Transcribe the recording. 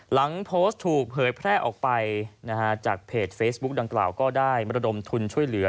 หลังโพสต์ถูกเผยแพร่ออกไปจากเพจเฟซบุ๊กดังกล่าวก็ได้มรดมทุนช่วยเหลือ